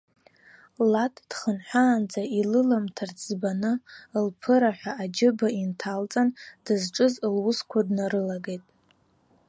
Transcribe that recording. Лад дхынҳәаанӡа илылымҭарц ӡбаны, лԥыраҳәа аџьыба инҭалҵан, дызҿыз лусқәа днарылагеит.